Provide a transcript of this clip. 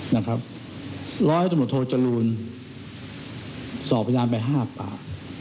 นะครับล้อจังหวัดโทษจรูลสอบพยานไป๕ป่า